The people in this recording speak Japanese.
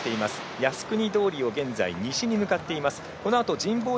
靖国通りを現在、西に向かっています。